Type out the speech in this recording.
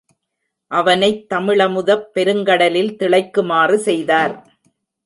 அவனைத் தமிழமுதப் பெருங்கடலில் திளைக்குமாறு செய்தார்.